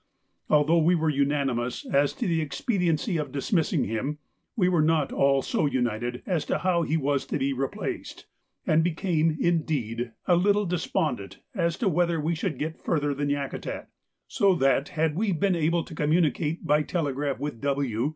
Although we were unanimous as to the expediency of dismissing him, we were not at all so united as to how he was to be replaced, and became, indeed, a little despondent as to whether we should get further than Yakutat, so that had we been able to communicate by telegraph with W.